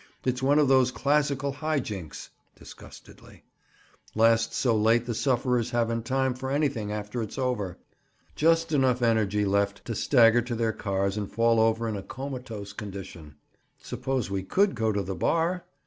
"It's one of those classical high jinks." Disgustedly. "Lasts so late the sufferers haven't time for anything after it's over. Just enough energy left to stagger to their cars and fall over in a comatose condition." "Suppose we could go to the bar?"